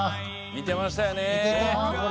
見てましたよね。